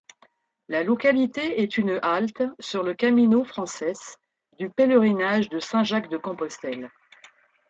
La localité est une halte sur le Camino francés du Pèlerinage de Saint-Jacques-de-Compostelle.